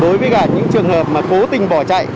đối với cả những trường hợp mà cố tình bỏ chạy